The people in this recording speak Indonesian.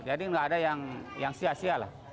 jadi nggak ada yang sia sia lah